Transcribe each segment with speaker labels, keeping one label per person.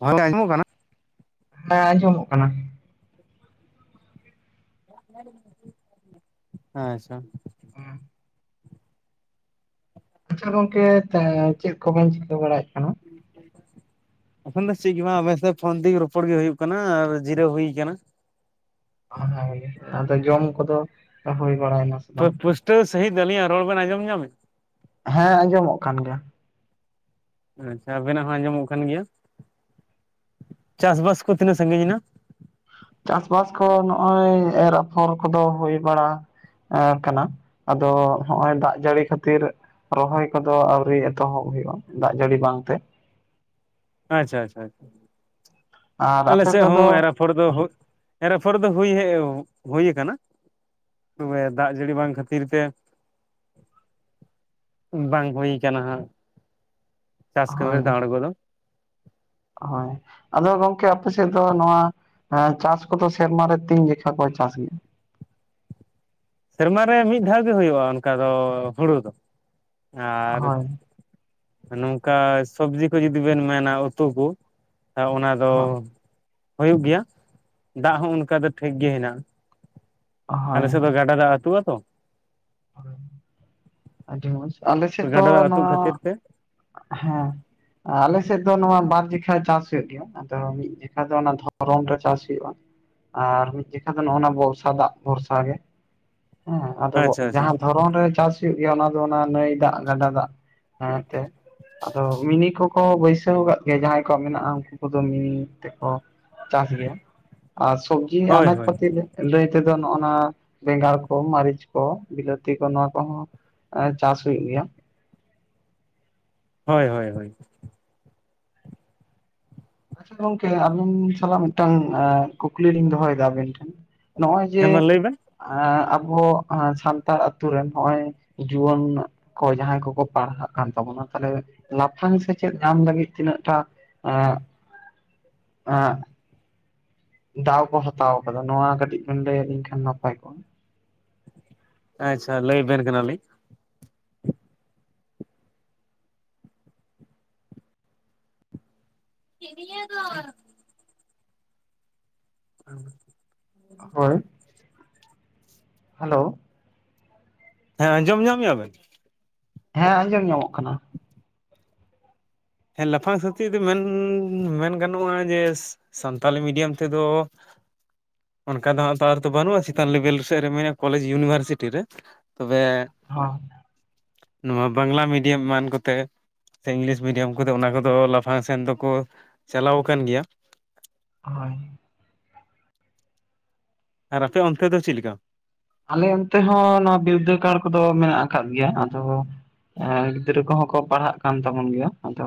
Speaker 1: ᱜᱚᱝᱠᱮ ᱟᱸᱡᱚᱢᱚᱜ ᱠᱟᱱᱟ?
Speaker 2: ᱦᱮᱸ ᱟᱸᱡᱚᱢᱚᱜ ᱠᱟᱱᱟ᱾
Speaker 1: [inaudible] ᱟᱪᱪᱷᱟ᱾
Speaker 2: ᱦᱮᱸ ᱟᱪᱪᱷᱟ ᱜᱚᱝᱠᱮ ᱛᱟ, ᱪᱮᱫ ᱠᱚᱵᱚᱱ ᱪᱤᱠᱟᱹ ᱵᱟᱲᱟᱭᱮᱫ ᱠᱟᱱᱟ?
Speaker 1: [inaudible] ᱮᱠᱷᱚᱱ ᱫᱚ ᱪᱮᱫ ᱜᱮ ᱵᱟᱝ ᱟᱵᱮᱱ ᱥᱟᱣ ᱯᱷᱳᱱ ᱛᱮᱜᱮ ᱨᱚᱯᱚᱲ ᱜᱮ ᱦᱩᱭᱩᱜ ᱠᱟᱱᱟ, ᱟᱨ ᱡᱤᱨᱟᱹᱣ ᱦᱩᱭ ᱠᱟᱱᱟ᱾
Speaker 2: ᱦᱳᱭ, ᱟᱫᱚ ᱡᱚᱢ ᱠᱚᱫᱚ ᱦᱩᱭ ᱵᱟᱲᱟᱭᱮᱱᱟ? ᱥᱮ ᱵᱟᱝ?
Speaker 1: ᱛᱚᱵᱮ ᱯᱟᱹᱥᱴᱟᱹ ᱥᱟᱹᱦᱤᱡ ᱫᱚ ᱟᱹᱞᱤᱧᱟᱜ ᱨᱚᱲ ᱵᱮᱱ ᱟᱸᱡᱚᱢ ᱧᱟᱢᱮ ᱫᱟ?
Speaker 2: ᱦᱮᱸ ᱟᱸᱡᱚᱢᱚᱜ ᱠᱟᱱ ᱜᱮᱭᱟ᱾
Speaker 1: ᱟᱪᱪᱷᱟ ᱟᱵᱮᱱᱟᱜ ᱦᱚᱸ ᱟᱸᱡᱚᱢᱚᱜ ᱠᱟᱱ ᱜᱮᱭᱟ᱾ ᱪᱟᱥ ᱵᱟᱥ ᱠᱚ ᱛᱤᱱᱟᱹᱜ ᱥᱟᱺᱜᱤᱧ ᱮᱱᱟ?
Speaker 2: ᱪᱟᱥ ᱵᱟᱥ ᱠᱚ ᱱᱚᱜ-ᱚᱭ, ᱮᱨ ᱟᱯᱷᱚᱨ ᱠᱚᱫᱚ ᱦᱩᱭ ᱵᱟᱲᱟ ᱮᱸ ᱠᱟᱱᱟ, ᱟᱫᱚ ᱦᱚᱸᱜ-ᱚᱭ ᱫᱟᱜ ᱡᱟᱹᱲᱤ ᱠᱷᱟᱹᱛᱤᱨ ᱨᱚᱦᱚᱭ ᱠᱚᱫᱚ ᱟᱹᱣᱨᱤ ᱮᱛᱚᱦᱚᱵ ᱦᱩᱭᱩᱜ-ᱟ, ᱫᱟᱜ ᱡᱟᱹᱲᱤ ᱵᱟᱝᱛᱮ᱾
Speaker 1: ᱟᱪᱪᱷᱟ ᱟᱪᱪᱷᱟ ᱟᱪᱪᱷᱟ,
Speaker 2: ᱟᱨ
Speaker 1: ᱟᱞᱮ
Speaker 2: ᱟᱯᱮ
Speaker 1: ᱥᱮᱫ ᱦᱚᱸ
Speaker 2: ᱠᱚᱫᱚ
Speaker 1: ᱮᱨ ᱯᱷᱚᱨ ᱫᱚ ᱦᱩᱜ, ᱮᱨ ᱟᱯᱷᱚᱨ ᱫᱚ ᱦᱩᱭ ᱦᱮᱡ ᱦᱩᱭ ᱟᱠᱟᱱᱟ᱾ ᱛᱚᱵᱮ ᱫᱟᱜ ᱡᱟᱹᱲᱤ ᱵᱟᱝ ᱠᱷᱟᱹᱛᱤᱨ ᱛᱮ ᱵᱟᱝ ᱦᱩᱭ ᱠᱟᱱᱟ ᱦᱟᱸᱜ, ᱪᱟᱥ ᱠᱟᱹᱢᱤ
Speaker 2: ᱦᱳᱭ
Speaker 1: ᱨᱮᱫᱚ ᱟᱬᱜᱚ ᱫᱚ᱾
Speaker 2: ᱦᱳᱭ, ᱟᱫᱚ ᱜᱚᱝᱠᱮ ᱟᱯᱮ ᱥᱮᱫ ᱫᱚ ᱱᱚᱣᱟ ᱮᱸ ᱪᱟᱥ ᱠᱚᱫᱚ ᱥᱮᱨᱢᱟ ᱨᱮ ᱛᱤᱱ ᱡᱮᱠᱷᱟ ᱠᱚ ᱪᱟᱥ ᱜᱮᱭᱟ?
Speaker 1: ᱥᱮᱨᱢᱟ ᱨᱮ ᱢᱤᱫ ᱫᱷᱟᱣ ᱜᱮ ᱦᱩᱭᱩᱜ-ᱟ ᱚᱱᱠᱟ ᱫᱚ ᱦᱩᱲᱩ ᱫᱚ, ᱟᱨ
Speaker 2: ᱦᱳᱭ
Speaker 1: ᱱᱚᱝᱠᱟ ᱥᱚᱵᱽᱡᱤ ᱠᱚ ᱡᱩᱫᱤ ᱵᱮᱱ ᱢᱮᱱᱟ ᱩᱛᱩ ᱠᱟ, ᱮ ᱚᱱᱟ ᱫᱚ
Speaker 2: ᱦᱳᱭ
Speaker 1: ᱦᱩᱭᱩᱜ ᱜᱮᱭᱟ, ᱫᱟᱜ ᱦᱚᱸ ᱚᱱᱠᱟ ᱫᱚ ᱴᱷᱤᱠ ᱜᱮ ᱦᱮᱱᱟᱜ-ᱟ᱾
Speaker 2: ᱦᱳᱭ
Speaker 1: ᱟᱞᱮ ᱥᱮᱫ ᱫᱚ ᱜᱟᱰᱟ ᱫᱟᱜ ᱟᱹᱛᱩ-ᱟ ᱛᱚ᱾
Speaker 2: ᱦᱳᱭ᱾ ᱟᱹᱰᱤ ᱢᱚᱸᱡᱽ, ᱟᱞᱮ ᱥᱮᱫ
Speaker 1: ᱜᱟᱰᱟ
Speaker 2: ᱫᱚ
Speaker 1: ᱫᱟᱜ ᱟᱹᱛᱩᱜ ᱠᱷᱟᱹᱛᱤᱨ
Speaker 2: ᱱᱚᱣᱟ,
Speaker 1: ᱛᱮ
Speaker 2: ᱦᱮᱸ᱾ ᱮ ᱟᱞᱮ ᱥᱮᱫ ᱫᱚ ᱱᱚᱣᱟ ᱵᱟᱨ ᱡᱤᱠᱷᱟ ᱪᱟᱥ ᱦᱩᱭᱩᱜ ᱜᱮᱭᱟ᱾ ᱟᱫᱚ ᱢᱤᱫ ᱡᱮᱠᱷᱟ ᱫᱚ ᱚᱱᱟ ᱫᱷᱚᱨᱚᱱ ᱨᱮ ᱪᱟᱥ ᱦᱩᱭᱩᱜ-ᱟ᱾ ᱟᱨ ᱢᱤᱫ ᱡᱮᱠᱷᱟ ᱫᱚ ᱱᱚᱜ-ᱟ ᱱᱚᱣᱟ ᱵᱚᱨᱥᱟ ᱫᱟᱜ ᱵᱷᱚᱨᱥᱟ ᱜᱮ, ᱦᱮᱸ ᱟᱫᱚ
Speaker 1: ᱟᱪᱪᱷᱟ ᱟᱪᱪᱷᱟ
Speaker 2: ᱡᱟᱦᱟᱸ ᱫᱷᱚᱨᱚᱱ ᱨᱮ ᱪᱟᱥ ᱦᱩᱭᱩᱜ ᱜᱮᱭᱟ ᱚᱱᱟ ᱫᱚ ᱚᱱᱟ ᱱᱟᱹᱭ ᱫᱟᱜ ᱜᱟᱰᱟ ᱫᱟᱜ ᱮᱸ ᱛᱮ᱾ ᱟᱫᱚ ᱢᱤᱱᱤ ᱠᱚᱠᱚ ᱵᱟᱹᱭᱥᱟᱹᱣ ᱠᱟᱜ ᱜᱮᱭᱟ ᱡᱟᱦᱟᱸᱭ ᱠᱚᱣᱟᱜ ᱢᱮᱱᱟᱜ-ᱟ ᱩᱱᱠᱩ ᱠᱚᱫᱚ ᱢᱤᱱᱤ ᱛᱮᱠᱚ ᱪᱟᱥ ᱜᱮᱭᱟ, ᱟᱨ ᱥᱚᱵᱽ ᱡᱤ
Speaker 1: ᱦᱳᱭ
Speaker 2: ᱟᱱᱟᱡ
Speaker 1: ᱦᱳᱭ
Speaker 2: ᱯᱟᱹᱛᱤ ᱞᱟᱹᱭ ᱞᱟᱹᱭ ᱛᱮᱫᱚ ᱱᱚᱜ-ᱚ ᱱᱟ ᱵᱮᱸᱜᱟᱲ ᱠᱚ ᱢᱟᱹᱨᱤᱪ ᱠᱚ ᱵᱤᱞᱟᱹᱛᱤ ᱠᱚ, ᱱᱚᱣᱟ ᱠᱚᱦᱚᱸ, ᱮᱸ ᱪᱟᱥ ᱦᱩᱭᱩᱜ ᱜᱮᱭᱟ᱾
Speaker 1: ᱦᱳᱭ ᱦᱳᱭ ᱦᱳᱭ᱾
Speaker 2: ᱟᱪᱪᱷᱟ ᱜᱚᱝᱠᱮ, ᱟᱵᱤᱱ ᱥᱟᱞᱟᱜ ᱢᱤᱫᱴᱟᱝ ᱮᱸ ᱠᱩᱠᱞᱤ ᱞᱤᱧ ᱫᱚᱦᱚᱭᱮᱫᱟ ᱟᱵᱤᱱ ᱴᱷᱮᱱ᱾ ᱱᱚᱜᱼᱚᱭ
Speaker 1: ᱦᱮᱸ ᱢᱟ
Speaker 2: ᱡᱮ
Speaker 1: ᱞᱟᱹᱭ ᱵᱮᱱ
Speaker 2: ᱮᱸ ᱟᱵᱚ ᱦᱮᱸ ᱥᱟᱱᱛᱟᱲ ᱟᱛᱩ ᱨᱮᱱ ᱦᱚᱸᱜᱼᱚᱭ ᱡᱩᱣᱟᱹᱱ ᱠᱚ ᱡᱟᱦᱟᱸᱭ ᱠᱚᱠᱚ ᱯᱟᱲᱦᱟᱜ ᱠᱟᱱ ᱛᱟᱵᱚᱱᱟ, ᱛᱟᱞᱦᱮ ᱞᱟᱯᱷᱟᱝ ᱥᱮᱪᱮᱫ ᱧᱟᱢ ᱞᱟᱹᱜᱤᱫ ᱛᱤᱱᱟᱹᱜ ᱴᱟ ᱮᱸ ᱮᱸ ᱫᱟᱣ ᱠᱚ ᱦᱟᱛᱟᱣ ᱟᱠᱟᱫᱟ, ᱱᱚᱣᱟ ᱠᱟᱹᱴᱤᱡ ᱵᱮᱱ ᱞᱟᱹᱭ ᱟᱹᱞᱤᱧ ᱠᱷᱟᱱ ᱱᱟᱯᱟᱭ ᱠᱚᱜᱼᱟ᱾
Speaker 1: ᱟᱪᱪᱷᱟ, ᱞᱟᱹᱭᱵᱮᱱ ᱠᱟᱱᱟ ᱞᱤᱧ᱾ ᱪᱮᱫ ᱲᱤᱭᱟᱹ ᱫᱚ [inaudible]
Speaker 2: ᱦᱳᱭ, ᱦᱮᱞᱳ!
Speaker 1: ᱦᱮᱸ ᱟᱸᱡᱚᱢ ᱧᱟᱢᱮᱜᱼᱟ ᱵᱮᱱ?
Speaker 2: ᱦᱮᱸ ᱟᱸᱡᱚᱢ ᱧᱟᱢᱚᱜ ᱠᱟᱱᱟ᱾
Speaker 1: ᱦᱮᱸ ᱞᱟᱯᱷᱟᱝ ᱥᱮᱪᱮᱫ ᱫᱚ ᱢᱮᱱ ᱢᱮᱱ ᱜᱟᱱᱚᱜᱼᱟ ᱡᱮ ᱥᱟᱱᱛᱟᱞᱤ ᱢᱤᱰᱤᱭᱟᱢ ᱛᱮᱫᱚ ᱚᱱᱠᱟ ᱫᱚ ᱦᱟᱸᱜ ᱛᱚ ᱟᱨ ᱛᱚ ᱵᱟᱹᱱᱩᱜᱼᱟ ᱪᱮᱛᱟᱱ ᱞᱮᱵᱮᱞ ᱥᱮᱫ ᱨᱮ ᱢᱮ ᱠᱚᱞᱮᱡᱽ ᱤᱭᱩᱱᱤᱵᱷᱟᱨᱥᱤᱴᱤ ᱨᱮ, ᱛᱚᱵᱮ
Speaker 2: ᱦᱚᱸ᱾
Speaker 1: ᱱᱚᱣᱟ ᱵᱟᱝᱞᱟ ᱢᱤᱰᱤᱭᱟᱢ ᱮᱢᱟᱱ ᱠᱚᱛᱮ ᱥᱮ, ᱤᱝᱞᱤᱥ ᱢᱤᱰᱤᱭᱟᱢ ᱩᱱᱠᱩ ᱫᱚ ᱚᱱᱟ ᱠᱚᱫᱚ ᱞᱟᱯᱷᱟᱝ ᱥᱮᱱ ᱫᱚᱠᱚ ᱪᱟᱞᱟᱣ ᱟᱠᱟᱱ ᱜᱮᱭᱟ᱾
Speaker 2: ᱦᱳᱭ᱾
Speaker 1: ᱟᱨ ᱟᱯᱮ ᱚᱱᱛᱮ ᱫᱚ ᱪᱮᱫ ᱞᱮᱠᱟ?
Speaker 2: ᱟᱞᱮ ᱚᱱᱛᱮ ᱦᱚᱸ ᱱᱚᱣᱟ ᱵᱤᱨᱫᱟᱹᱜᱟᱲ ᱠᱚᱫᱚ ᱢᱮᱱᱟᱜ ᱟᱠᱟᱫ ᱜᱮᱭᱟ᱾ ᱟᱫᱚ ᱮᱸ ᱜᱤᱫᱽᱨᱟᱹ ᱠᱚᱦᱚᱸ ᱠᱚ ᱯᱟᱲᱦᱟᱜ ᱠᱟᱱ ᱛᱟᱵᱚᱱ ᱜᱮᱭᱟ, ᱟᱫᱚ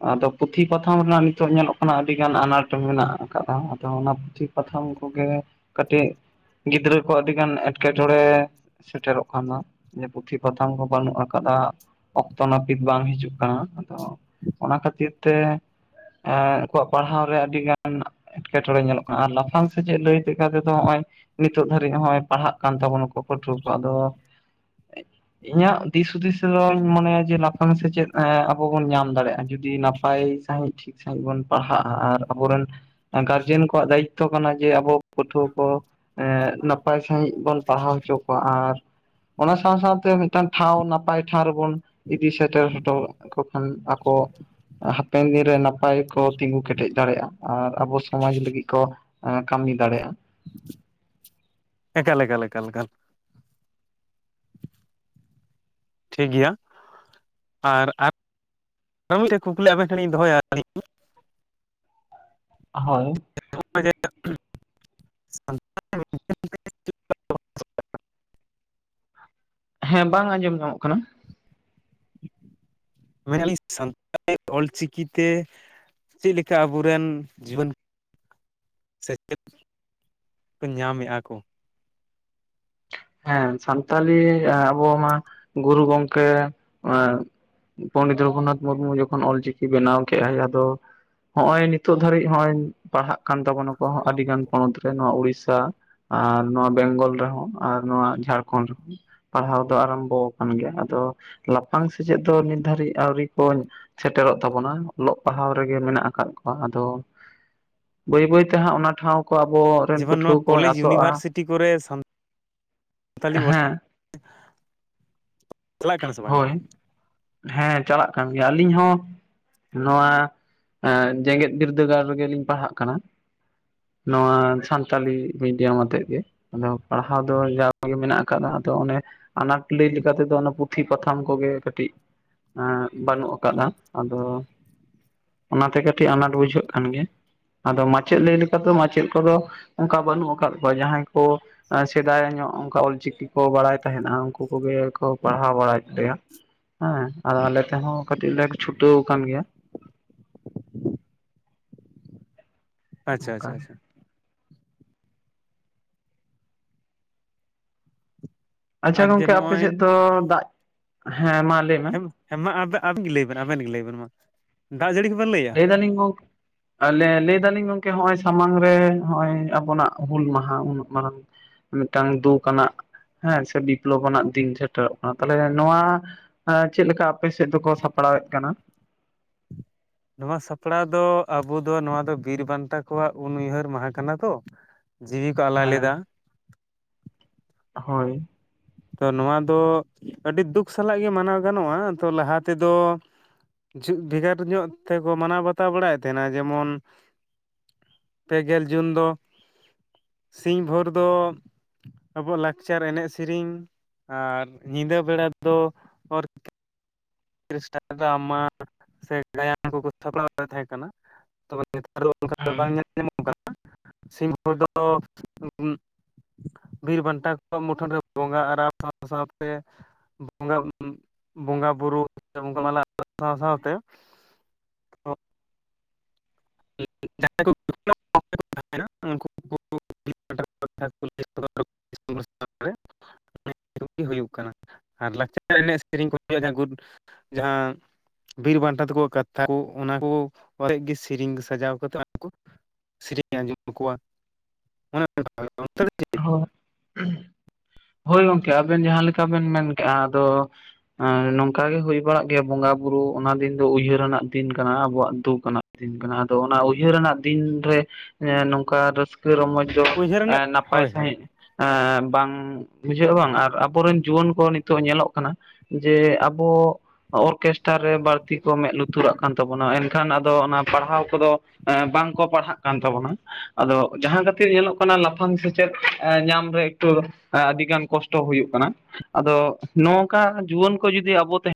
Speaker 2: ᱟᱫᱚ ᱯᱩᱛᱷᱤ ᱯᱟᱛᱷᱟᱢ ᱨᱮᱱᱟᱜ ᱱᱤᱛᱚᱜ ᱧᱮᱞᱚᱜ ᱠᱟᱱᱟ ᱟᱹᱰᱤ ᱜᱟᱱ ᱟᱱᱟᱴ ᱢᱮᱱᱟᱜ ᱟᱠᱟᱫᱟ᱾ ᱟᱫᱚ ᱚᱱᱟ ᱯᱩᱛᱷᱤ ᱯᱟᱛᱷᱟᱢ ᱠᱚᱜᱮ ᱠᱟᱹᱴᱤᱡ ᱜᱤᱫᱽᱨᱟᱹ ᱠᱚ ᱟᱹᱰᱤᱜᱟᱱ ᱮᱸᱴᱠᱮᱴᱚᱬᱮ ᱥᱮᱴᱮᱨᱚᱜ ᱠᱟᱱᱟ, ᱡᱮ ᱯᱩᱛᱷᱤ ᱯᱟᱛᱷᱟᱢ ᱦᱚᱸ ᱵᱟᱹᱱᱩᱜ ᱟᱠᱟᱫᱟ᱾ ᱚᱠᱛᱚ ᱱᱟᱹᱯᱤᱛ ᱵᱟᱝ ᱦᱤᱡᱩᱜ ᱠᱟᱱᱟ ᱾ ᱟᱫᱚ ᱚᱱᱟ ᱠᱷᱟᱹᱛᱤᱨ ᱛᱮ ᱮᱸ ᱟᱠᱚᱣᱟᱜ ᱯᱟᱲᱦᱟᱣ ᱨᱮ ᱟᱹᱰᱤ ᱜᱟᱱ ᱮᱴᱠᱮᱴᱚᱬᱮ ᱧᱮᱞᱚᱜ ᱠᱟᱱᱟ, ᱟᱨ ᱞᱟᱯᱷᱟᱝ ᱥᱮᱪᱮᱫ ᱞᱟᱹᱭ ᱞᱮᱠᱟ ᱛᱮᱫᱚ ᱦᱚᱸᱜᱼᱚᱭ ᱱᱤᱛᱚᱜ ᱫᱷᱟᱹ ᱨᱤᱡ ᱦᱚᱸᱜᱼᱚᱭ ᱯᱟᱲᱦᱟᱜ ᱠᱟᱱ ᱛᱟᱵᱚᱱᱟ ᱠᱚ ᱯᱟᱹᱴᱷᱩᱣᱟᱹ ᱠᱚ, ᱟᱫᱚ
Speaker 1: [inaudible]
Speaker 2: ᱤᱧᱟᱹᱜ ᱫᱤᱥ ᱦᱩᱫᱤᱥ ᱛᱮ ᱫᱚᱧ ᱢᱚᱱᱮᱭᱟ ᱡᱮ ᱞᱟᱯᱷᱟᱝ ᱥᱮᱪᱮᱫ ᱮᱸ ᱟᱵᱚ ᱵᱚᱱ ᱧᱟᱢ ᱫᱟᱲᱮᱭᱟᱜᱼᱟ, ᱡᱩᱫᱤ ᱱᱟᱯᱟᱭ ᱥᱟᱺᱦᱤᱡ ᱥᱟᱺᱦᱤᱡ ᱵᱚᱱ ᱯᱟᱲᱦᱟᱜᱼᱟ ᱟᱨ ᱟᱵᱚᱨᱮᱱ ᱮᱸ ᱜᱟᱨᱡᱮᱱ ᱠᱚᱣᱟᱜ ᱫᱟᱭᱤᱛᱛᱚ ᱠᱟᱱᱟ ᱡᱮ ᱟᱵᱚ ᱯᱟᱹᱴᱷᱩᱣᱟᱹ ᱠᱚ ᱮᱸ ᱱᱟᱯᱟᱭ ᱥᱟᱺᱦᱤᱡ ᱵᱚᱱ ᱯᱟᱲᱦᱟᱣ ᱦᱚᱪᱚ ᱠᱚᱣᱟ ᱟᱨ ᱚᱱᱟ ᱥᱟᱶ ᱥᱟᱶᱛᱮ ᱢᱤᱫᱴᱟᱝ ᱴᱷᱟᱶ ᱱᱟᱯᱟᱭ ᱴᱷᱟᱶ ᱨᱮᱵᱚᱱ ᱤᱫᱤ ᱥᱮᱴᱮᱨ ᱦᱚᱴᱚ ᱠᱚ ᱠᱷᱟᱱ ᱟᱠᱚ ᱦᱟᱯᱮᱱ ᱫᱤᱱ ᱨᱮ ᱱᱟᱯᱟᱭ ᱠᱚ ᱛᱤᱸᱜᱩ ᱠᱮᱴᱮᱡ ᱫᱟᱲᱮᱭᱟᱜᱼᱟ ᱟᱨ ᱟᱵᱚ ᱥᱚᱢᱟᱡ ᱞᱟᱹᱜᱤᱫ ᱠᱚ ᱮᱸ ᱠᱟᱹᱢᱤ ᱫᱟᱲᱮᱭᱟᱜᱼᱟ ᱾
Speaker 1: ᱮᱠᱟᱞ ᱮᱠᱟᱞ ᱮᱠᱟᱞ ᱮᱠᱟᱞ᱾ ᱴᱷᱤᱠ ᱜᱮᱭᱟ᱾ ᱟᱨ ᱟᱨ ᱟᱨ ᱢᱤᱫᱴᱮᱱ ᱠᱩᱠᱞᱤ ᱟᱵᱮᱱ ᱴᱷᱮᱱᱤᱧ ᱫᱚᱦᱚᱭᱟ ᱟᱞᱤᱧ᱾ [inaudible]
Speaker 2: ᱦᱳᱭ᱾
Speaker 1: [inaudible] [inaudible]
Speaker 2: ᱦᱮᱸ, ᱵᱟᱝ ᱟᱸᱡᱚᱢ ᱧᱟᱢᱚᱜ ᱠᱟᱱᱟ᱾
Speaker 1: ᱢᱮᱱ ᱟᱞᱤᱧ ᱥᱟᱱᱛᱟᱲᱤ ᱚᱞ ᱪᱤᱠᱤ ᱛᱮ ᱪᱮᱫ ᱞᱮᱠᱟ ᱟᱵᱚᱨᱮᱱ ᱡᱩᱣᱟᱹᱱ ᱥᱮᱪᱮᱫ ᱠᱚ ᱧᱟᱢᱮᱜ-ᱟ ᱠᱚ᱾
Speaker 2: ᱦᱮᱸ, ᱥᱟᱱᱛᱟᱞᱤ ᱟᱵᱚ ᱢᱟ ᱜᱩᱨᱩ ᱜᱚᱝᱠᱮ ᱮᱸ ᱯᱚᱸᱱᱰᱮᱛ ᱨᱚᱜᱷᱩᱱᱟᱛᱷ ᱢᱩᱨᱢᱩ ᱡᱚᱠᱷᱚᱱ ᱚᱞᱪᱤᱠᱤ ᱵᱮᱱᱟᱣ ᱠᱮ-ᱟᱭ ᱟᱫᱚ ᱦᱚᱸᱜ-ᱚᱭ ᱱᱤᱛᱚᱜ ᱫᱷᱟᱹᱨᱤᱡ ᱦᱚᱸᱜ-ᱚᱭ ᱯᱟᱲᱦᱟᱜ ᱠᱟᱱ ᱛᱟᱵᱚᱱᱟᱠᱚ ᱟᱹᱰᱤᱜᱟᱱ ᱯᱚᱱᱚᱛ ᱨᱮ ᱱᱚᱣᱟ ᱩᱲᱤᱥᱥᱟ ᱟᱨ ᱱᱚᱣᱟ ᱵᱮᱝᱜᱚᱞ ᱨᱮᱦᱚᱸ᱾ ᱟᱨ ᱱᱚᱣᱟ ᱡᱷᱟᱲᱠᱷᱚᱸᱰ ᱨᱮᱦᱚᱸ᱾ ᱯᱟᱲᱦᱟᱣ ᱫᱚ ᱟᱨᱟᱢᱵᱚ ᱟᱠᱟᱱ ᱜᱮᱭᱟ ᱟᱫᱚ ᱞᱟᱯᱷᱟᱝ ᱥᱮᱪᱮᱫ ᱫᱚ ᱱᱤᱛ ᱫᱷᱟᱹᱨᱤᱡ ᱟᱹᱣᱨᱤ ᱠᱚ ᱥᱮᱴᱮᱨᱚᱜ ᱛᱟᱵᱚᱱᱟ ᱚᱞᱚᱜ ᱯᱟᱲᱦᱟᱣ ᱨᱮᱜᱮ ᱢᱮᱱᱟᱜ ᱟᱠᱟᱫ ᱠᱚᱣᱟ ᱟᱫᱚ ᱵᱟᱹᱭ ᱵᱟᱹᱭ ᱛᱮ ᱦᱟᱸᱜ ᱚᱱᱟ ᱴᱷᱟᱶ ᱠᱚ ᱟᱵᱚᱨᱮᱱ ᱯᱟᱹᱴᱷᱩᱣᱟᱹ ᱠᱚᱧ ᱟᱥᱚᱜ-ᱟ
Speaker 1: ᱛᱤ ᱠᱚᱨᱮ ᱥᱟᱱ-ᱛᱟᱞᱤ [inaudible]
Speaker 2: ᱦᱮᱸ
Speaker 1: ᱠᱟᱱᱟ ᱥᱮ ᱵᱟᱝᱟ
Speaker 2: ᱦᱳᱭ, ᱦᱮᱸ ᱪᱟᱞᱟᱜ ᱠᱟᱱ ᱜᱮᱭᱟ, ᱟᱹᱞᱤᱧ ᱦᱚᱸ ᱱᱚᱣᱟ ᱡᱮᱜᱮᱫ ᱵᱤᱨᱫᱟᱹᱜᱟᱲ ᱨᱮᱜᱮᱞᱤᱧ ᱯᱟᱲᱦᱟᱜ ᱠᱟᱱᱟ᱾ ᱱᱚᱣᱟ ᱥᱟᱱᱛᱟᱞᱤ ᱢᱤᱰᱤᱭᱟᱢ ᱟᱛᱮᱫ ᱜᱮ᱾ ᱟᱫᱚ ᱯᱟᱲᱦᱟᱣ ᱫᱚ ᱡᱟᱣ ᱜᱮ ᱢᱮᱱᱟᱜ ᱟᱠᱟᱫᱟ ᱟᱫᱚ ᱚᱱᱮ ᱟᱱᱟᱴ ᱞᱟᱹᱭ ᱞᱮᱠᱟ ᱛᱮ ᱫᱚ ᱯᱩ ᱛᱷᱤ ᱯᱟᱛᱷᱟᱢ ᱠᱚᱜᱮ ᱠᱟᱹᱴᱤᱡ ᱵᱟᱹᱱᱩᱜ ᱟᱠᱟᱫᱟ, ᱟᱫᱚ ᱚᱱᱟᱛᱮ ᱠᱟᱹᱴᱤᱡ ᱟᱱᱟᱴ ᱵᱩᱡᱷᱟᱹᱜ ᱠᱟᱱ ᱜᱮᱭᱟ ᱟᱫᱚ ᱢᱟᱪᱮᱫ ᱞᱟᱹᱭ ᱞᱮᱠᱟ ᱛᱮᱫᱚ ᱞᱮᱠᱟᱛᱮ ᱢᱟᱪᱮᱫ ᱠᱚᱫᱚ ᱚᱱᱠᱟ ᱵᱟᱹᱱᱩᱜ ᱟᱠᱟᱫ ᱠᱚᱣᱟ ᱡᱟᱦᱟᱸᱭ ᱠᱚ ᱮᱸ ᱥᱮᱫᱟᱭ ᱧᱚᱜ ᱚᱱᱠᱟ ᱚᱞᱪᱤᱠᱤ ᱠᱚ ᱵᱟᱲᱟᱭ ᱛᱟᱦᱮᱸᱫ-ᱟ ᱩᱱᱠᱩ ᱠᱚᱜᱮ ᱠᱚ ᱯᱟᱲ ᱯᱟᱲᱦᱟᱣ ᱵᱟᱲᱟᱭᱮᱫ ᱞᱮᱭᱟ ᱦᱮᱸ, ᱟᱨ ᱟᱞᱮ ᱛᱮᱦᱚᱸ ᱠᱟᱹᱴᱤᱡ ᱞᱮ ᱪᱷᱩᱴᱟᱹᱣ ᱟᱠᱟᱱ ᱜᱮᱭᱟ᱾
Speaker 1: ᱟᱪᱪᱷᱟ
Speaker 2: ᱚᱱᱠᱟ
Speaker 1: ᱟᱪᱪᱷᱟ ᱟᱪᱪᱷᱟ᱾
Speaker 2: ᱟᱪᱪᱷᱟ
Speaker 1: ᱟᱨ ᱡᱮ
Speaker 2: ᱜᱚᱝᱠᱮ ᱟᱯᱮ
Speaker 1: ᱱᱚᱜᱼᱚᱭ
Speaker 2: ᱥᱮᱫ ᱫᱚ ᱫᱟᱜ, ᱦᱮᱸ ᱢᱟ ᱞᱟᱹᱭ ᱢᱮ
Speaker 1: ᱦᱮᱸ ᱦᱮᱸ ᱢᱟ ᱟᱵᱮ-ᱟᱵᱮᱱᱜᱮ ᱞᱟᱹᱭ ᱵᱮᱱ ᱟᱵᱮᱱ ᱜᱮ ᱞᱟᱹᱭ ᱵᱮᱱ ᱢᱟ᱾ ᱫᱟᱜ ᱡᱟᱹᱲᱤ ᱠᱵᱮᱱ ᱞᱟᱹᱭᱟ?
Speaker 2: [unintelligible] ᱟᱞᱮ ᱞᱟᱹᱭ ᱫᱟᱹᱞᱤᱧ ᱜᱚᱝᱠᱮ ᱦᱚᱸᱜ-ᱚᱭ ᱥᱟᱢᱟᱝ ᱨᱮ ᱦᱚᱸᱜ-ᱚᱭ ᱟᱵᱚᱱᱟᱜ ᱦᱩᱞ ᱢᱟᱦᱟ ᱩᱱᱟᱹᱜ ᱢᱟᱨᱟᱝ᱾ ᱢᱤᱫᱴᱟᱝ ᱫᱩᱠ ᱟᱱᱟᱜ ᱦᱮᱸ ᱥᱮ ᱵᱤᱯᱞᱚᱵ ᱟᱱᱟᱜ ᱫᱤᱱ ᱥᱮᱴᱮᱨᱚᱜ ᱠᱟᱱᱟ᱾ ᱛᱟᱞᱦᱮ ᱱᱚᱣᱟ ᱟ ᱪᱮᱫ ᱞᱮᱠᱟ ᱟᱯᱮ ᱥᱮᱫ ᱫᱚᱠᱚ ᱥᱟᱯᱲᱟᱣᱮᱫ ᱠᱟᱱᱟ?
Speaker 1: ᱱᱚᱣᱟ ᱥᱟᱯᱲᱟᱣ ᱫᱚ ᱟᱵᱚ ᱫᱚ ᱱᱚᱣᱟ ᱫᱚ ᱵᱤᱨ ᱵᱟᱱᱴᱟ ᱠᱚᱣᱟᱜ ᱩᱱ-ᱩᱭᱦᱟᱹᱨ ᱢᱟᱦᱟ ᱠᱟᱱᱟ ᱛᱚ᱾ ᱡᱤᱣᱤ ᱠᱚ ᱟᱞᱟᱭ
Speaker 2: ᱦᱮᱸ
Speaker 1: ᱞᱮᱫᱟ᱾
Speaker 2: ᱦᱳᱭ᱾
Speaker 1: ᱛᱚ ᱱᱚᱣᱟ ᱫᱚ ᱟᱹᱰᱤ ᱫᱩᱠ ᱥᱟᱞᱟᱜ ᱜᱮ ᱢᱟᱱᱟᱣ ᱜᱟᱱᱚᱜ-ᱟ᱾ ᱛᱚ ᱞᱟᱦᱟ ᱛᱮᱫᱚ ᱡᱩᱜ ᱵᱷᱮᱜᱟᱨ ᱧᱚᱜ ᱛᱮᱠᱚ ᱢᱟᱱᱟᱣ ᱵᱟᱛᱟᱣ ᱵᱟᱲᱟᱭᱮᱫ ᱛᱟᱦᱮᱱᱟ ᱡᱮᱢᱚᱱ ᱯᱮ ᱜᱮᱞ ᱡᱩᱱ ᱫᱚ ᱥᱤᱧ ᱵᱷᱳᱨ ᱫᱚ ᱟᱵᱚᱣᱟᱜ ᱞᱟᱠᱪᱟᱨ ᱮᱱᱮᱡ ᱥᱤᱨᱮᱧ᱾ ᱟᱨ ᱧᱤᱫᱟᱹ ᱵᱮᱲᱟ ᱫᱚ ᱚᱨ ᱠᱨᱮᱥᱴᱟᱨ, ᱰᱨᱢᱟ ᱥᱮ ᱜᱟᱭᱟᱱ ᱠᱚᱠᱚ ᱛᱷᱟᱯᱲᱟᱣ ᱨᱮ ᱛᱟᱦᱮᱸ ᱠᱟᱱᱟ᱾ ᱛᱚᱵᱮ ᱱᱮᱛᱟᱨ ᱚᱱᱠᱟ ᱫᱚ
Speaker 2: ᱦᱳᱭ
Speaker 1: ᱵᱟᱝ ᱧᱮᱞ ᱧᱟᱢᱚᱜ ᱠᱟᱱᱟ᱾ ᱥᱤᱢ ᱵᱷᱳᱨ ᱫᱚ ᱵᱤᱨ ᱵᱟᱱᱴᱟ ᱠᱚᱣᱟᱜ ᱢᱩᱴᱷᱟᱹᱱ ᱨᱮ ᱵᱚᱸᱜᱟ ᱟᱨᱟᱣ ᱥᱟᱶ ᱥᱟᱶᱛᱮ ᱵᱚᱸᱜᱟ ᱵᱚᱸᱜᱟ ᱵᱩᱨᱩ ᱵᱚᱸᱜᱟ ᱢᱟᱞᱟ ᱥᱟᱶ ᱥᱟᱶᱛᱮ ᱡᱟᱦᱟᱸ ᱠᱚ [unintelligible] [unintelligible] [unintelligible] ᱵᱤᱨ ᱵᱟᱱᱴᱟ ᱛᱟᱠᱚᱣᱟ ᱠᱟᱛᱷᱟ ᱚᱱᱟ ᱠᱚ ᱟᱛᱮᱜ ᱜᱮ ᱥᱤᱨᱤᱧ ᱥᱟᱡᱟᱣ ᱠᱟᱛᱮ ᱠᱚ ᱥᱮᱨᱮᱧ ᱟᱸᱡᱚᱢ ᱟᱠᱚᱣᱟ ᱚᱱᱮ ᱠᱟ ᱦᱳᱭ᱾
Speaker 2: ᱦᱳᱭ᱾ ᱦᱳᱭ ᱜᱚᱝᱠᱮ ᱟᱵᱮᱱ ᱡᱟᱦᱟᱸ ᱞᱮᱠᱟ ᱵᱮᱱ ᱢᱮᱱ ᱠᱮᱜ-ᱟ ᱟᱫᱚ ᱟᱨ ᱱᱚᱝᱠᱟ ᱜᱮ ᱦᱩᱭ ᱵᱟᱲᱟᱜ ᱜᱮᱭᱟ ᱵᱚᱸᱜᱟ ᱵᱩᱨᱩ ᱚᱱᱟ ᱫᱤᱱ ᱫᱚ ᱩᱭᱦᱟᱹᱨᱱᱟᱜ ᱫᱤᱱ ᱠᱟᱱᱟ ᱟᱵᱚᱣᱟᱜ ᱫᱩᱠ ᱟᱱᱟᱜ᱾ ᱫᱤᱱ ᱠᱟᱱᱟ, ᱟᱫᱚ ᱚᱱᱟ ᱩᱭᱦᱟᱹᱨ ᱟᱱᱟᱜ ᱫᱤᱱ ᱨᱮ ᱮ ᱱᱚᱝᱠᱟ ᱨᱟᱹᱥᱠᱟᱹ, ᱨᱚᱢᱚᱡᱽ ᱡᱚᱢ᱾
Speaker 1: ᱩᱭᱦᱟᱹᱨ ᱨᱮᱱᱟᱜ
Speaker 2: ᱮᱸ ᱱᱟᱯᱟᱭ
Speaker 1: ᱦᱳᱭ ᱦᱳᱭ
Speaker 2: ᱥᱟᱺᱦᱤᱡ ᱮᱸ ᱵᱟᱝ ᱵᱩᱡᱷᱟᱹᱜᱼᱟ ᱵᱟᱝ ᱟᱨ ᱟᱵᱚᱨᱮᱱ ᱡᱩᱣᱟᱹᱱ ᱠᱚ ᱱᱤᱛᱚᱜ ᱧᱮᱞᱚᱜ ᱠᱟᱱᱟ ᱡᱮ ᱟᱵᱚ ᱚᱨᱜᱮᱥᱴᱟᱨ ᱨᱮ ᱵᱟᱹᱲᱛᱤ ᱠᱚ ᱢᱮᱫ ᱞᱩᱛᱩᱨᱟᱜ ᱠᱟᱱ ᱛᱟᱵᱚᱱᱟ ᱮᱱᱠᱷᱟᱱ ᱟᱫᱚ ᱚᱱᱟ ᱯᱟᱲᱦᱟᱣ ᱠᱚᱫᱚ ᱵᱟᱝᱠᱚ ᱯᱟᱲᱦᱟᱜ ᱠᱟᱱ ᱛᱟᱵᱚᱱᱟ᱾ ᱟᱫᱚ ᱡᱟᱦᱟ ᱠᱷᱟᱹᱛᱤᱨ ᱧᱮᱞᱚᱜ ᱠᱟᱱᱟ ᱞᱟᱯᱷᱟᱝ ᱥᱮᱪᱮᱫ ᱧᱟᱢ ᱮ ᱨᱮ ᱮᱠᱴᱩ ᱟ ᱟᱹᱰᱤ ᱜᱟᱱ ᱠᱚᱥᱴᱚ ᱦᱚᱭᱩᱜ ᱠᱟᱱᱟ ᱟᱫᱚ ᱱᱚᱝᱠᱟ ᱡᱩᱣᱟᱹᱱ ᱠᱚ ᱡᱩᱫᱤ ᱟᱵᱚ ᱛᱟᱦᱮ